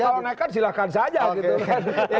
kalau naikkan silakan saja gitu